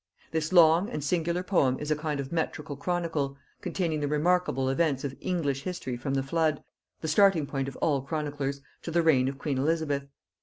This long and singular poem is a kind of metrical chronicle, containing the remarkable events of English history from the flood, the starting point of all chroniclers, to the reign of queen Elizabeth.